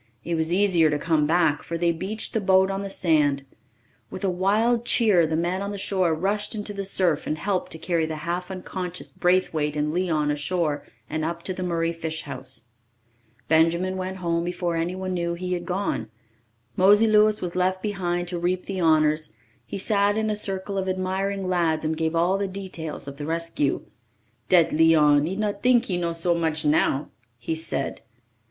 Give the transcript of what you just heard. It was easier to come back, for they beached the boat on the sand. With a wild cheer the men on the shore rushed into the surf and helped to carry the half unconscious Braithwaite and Leon ashore and up to the Murray fish house. Benjamin went home before anyone knew he had gone. Mosey Louis was left behind to reap the honours; he sat in a circle of admiring lads and gave all the details of the rescue. "Dat Leon, he not tink he know so much now!" he said.